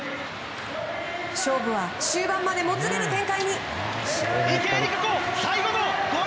勝負は終盤までもつれる展開に。